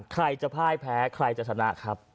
ใครจะพ่ายแพ้ใครจะชนะครับ